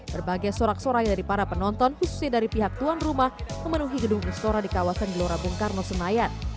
berbagai sorak sorai dari para penonton khususnya dari pihak tuan rumah memenuhi gedung istora di kawasan gelora bung karno senayan